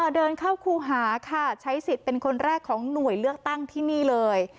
เดินเข้าครูหาค่ะใช้สิทธิ์เป็นคนแรกของหน่วยเลือกตั้งที่นี่เลย